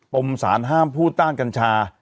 ปรุงศาลห้ามพูดต้างกัญชา